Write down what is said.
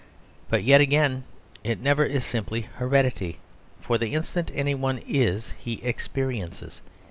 But yet again it never is simple heredity: for the instant anyone is, he experiences.